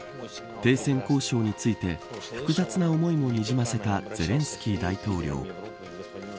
停戦交渉について複雑な思いもにじませたゼレンスキー大統領。